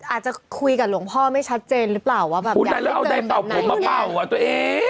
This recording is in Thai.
อาจจะคุยกับหลวงพ่อไม่ชัดเจนหรือเปล่าว่าแบบอยากให้เจินแบบนั้น